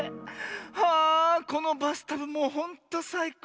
ああこのバスタブもうほんとさいこう。